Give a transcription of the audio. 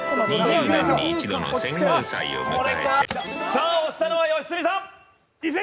さあ押したのは良純さん。